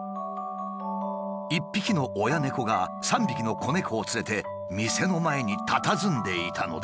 一匹の親猫が３匹の子猫を連れて店の前にたたずんでいたのだ。